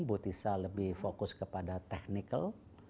ibu tissa lebih fokus kepada technical